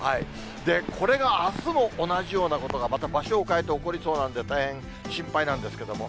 これがあすも、同じようなことがまた場所を変えて起こりそうなんで、大変心配なんですけれども。